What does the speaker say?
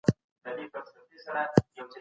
ډيموکراټيکې پرېکړي تل د اکثريت د ملاتړ وړ وي.